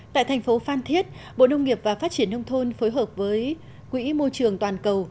tại thành phố phan thiết bộ nông nghiệp và phát triển nông thôn phối hợp với quỹ môi trường toàn cầu